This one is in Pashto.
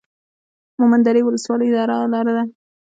مومند درې ولسوالۍ لاره ده؟